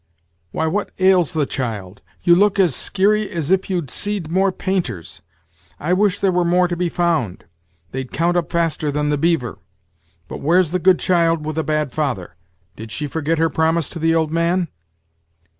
Why, what ails the child? You look as skeary as if you'd seed more painters. I wish there were more to be found! they'd count up faster than the beaver. But where's the good child with a bad father? Did she forget her promise to the old man?"